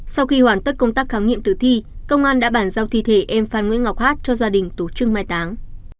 sau khi hoàn tất công tác khám nghiệm tử thi công an đã bản giao thi thể em phan nguyễn ngọc hát cho gia đình tổ chức trưng mai táng